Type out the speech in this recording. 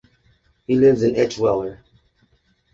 He lives in Eschweiler.